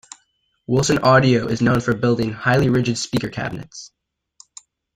Wilson Audio is known for building highly rigid speaker cabinets.